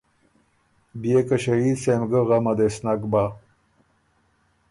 بيې که ݭهید سېم ګۀ غمه دې سو نک بَۀ۔